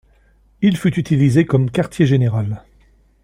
Il fut utilisé comme quartier général.